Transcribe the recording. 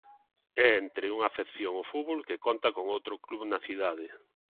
E entre unha afección ao fútbol que conta con outro club na cidade.